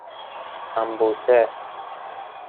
سمبوسه